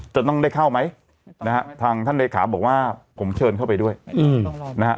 จะต้องได้เข้าไหมนะฮะทางท่านเลขาบอกว่าผมเชิญเข้าไปด้วยนะฮะ